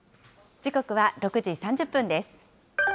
時刻は６時３０分です。